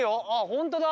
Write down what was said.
本当だ！